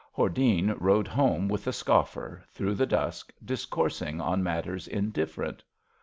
Hordene rode home with the scojffer, through the dusk, discoursing on matters indifferent.